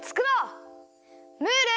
ムール！